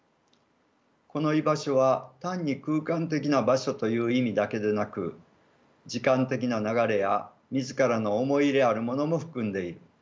この居場所は単に空間的な場所という意味だけでなく時間的な流れや自らの思い入れあるものも含んでいる。